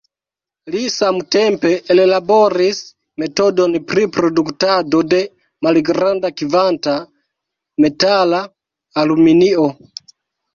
Li samtempe ellaboris metodon pri produktado de malgrand-kvanta metala aluminio.